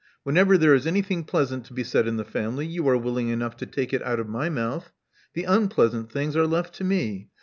Whenever there is anything pleasant to be said in the family, you are willing enough to take it out of my mouth. The unpleasant things are left to me.